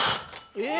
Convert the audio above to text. えっ？